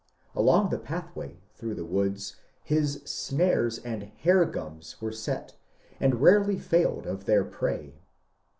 Along tbe patbway tbrougb tbe woods bis snares and ^^ bare gums " were set, and rarely failed of tbeir prey.